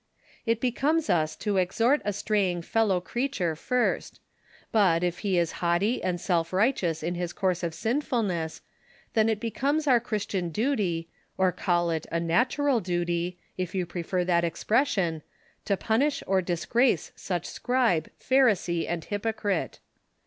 '' It becomes us to exhort a straying fellow creature first ; but, If he is haughty and self righteous in his course of sinfulness, then it becomes our Ch.ristian duty, or call it a natural duty, if you jirefer tliat expression, to punish or disgrace such scribe, pharisee and hypocrite.